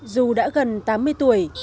dù đã gần tám mươi tuổi